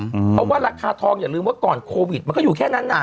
เพราะว่าราคาทองอย่าลืมว่าก่อนโควิดมันก็อยู่แค่นั้นน่ะ